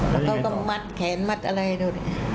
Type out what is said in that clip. แล้วเขาก็มัดแขนมัดอะไรดูดิ